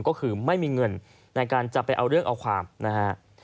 ก็คือไม่มีเงินในการจะไปเอาเรื่องเอาความนะฮะ